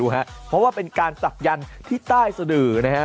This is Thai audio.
เพราะว่าเป็นการศักยันต์ที่ใต้สดือนะฮะ